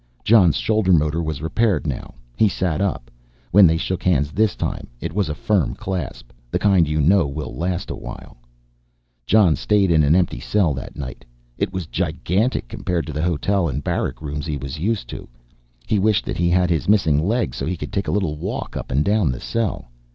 Jon's shoulder motor was repaired now, he sat up. When they shook hands this time it was a firm clasp. The kind you know will last awhile. Jon stayed in an empty cell that night. It was gigantic compared to the hotel and barrack rooms he was used to. He wished that he had his missing legs so he could take a little walk up and down the cell.